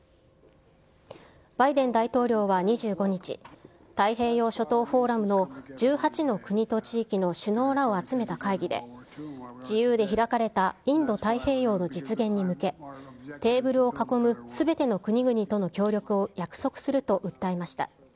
バイデン大統領は２５日、太平洋諸島フォーラムの１８の国と地域の首脳らを集めた会議で、自由で開かれたインド太平洋の実現に向け、テーブルを囲むすべての国々との協力を約束すると訴えました。